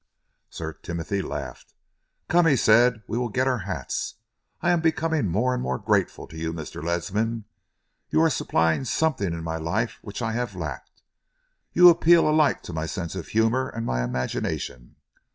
Sir Timothy laughed. "Come," he said, "we will get our hats. I am becoming more and more grateful to you, Mr. Ledsam. You are supplying something in my life which I have lacked. You appeal alike to my sense of humour and my imagination.